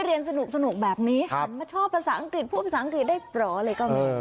สนุกแบบนี้หันมาชอบภาษาอังกฤษพูดภาษาอังกฤษได้เหรออะไรก็มี